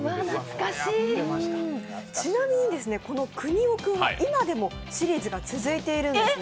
ちなみに、この「くにおくん」は今でもシリーズが続いているんですね。